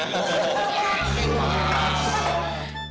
kok lama banget si mba cepetan dong